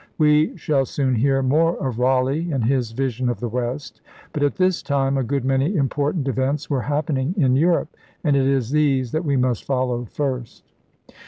We shall soon hear more of Raleigh and his vision of the West. But at this time a good many important events were happening in Europe; and it is these that we must follow first.